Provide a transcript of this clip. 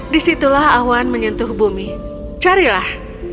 disitulah awan menyentuh bumi carilah